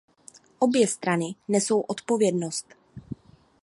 Obě strany nesou odpovědnost.